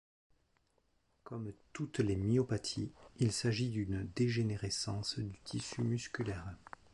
Comme toutes les myopathies, il s'agit d'une dégénérescence du tissu musculaire.